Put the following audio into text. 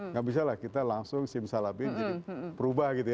nggak bisa lah kita langsung simsalabin jadi perubahan gitu ya